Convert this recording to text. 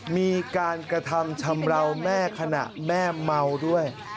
มีการกระทำชำราวแม่ขณะแม่เมาด้วย